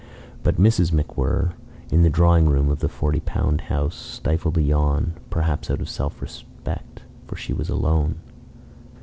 But Mrs. MacWhirr, in the drawing room of the forty pound house, stifled a yawn perhaps out of self respect for she was alone.